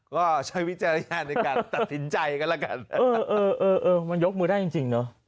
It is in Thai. ก็ใช้วิจารณญาณในการตัดสินใจกันแล้วกันมันยกมือได้จริงเนอะ